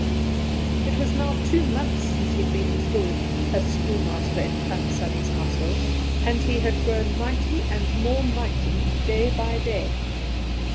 It was now two months since he had been installed as schoolmaster in Tant Sannie's household, and he had grown mighty and more mighty day by day.